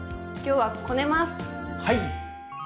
はい！